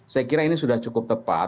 saya kira ini sudah cukup tepat